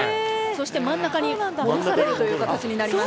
そして真ん中にもどされるという形になります。